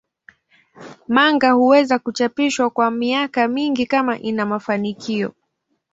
Manga huweza kuchapishwa kwa miaka mingi kama ina mafanikio.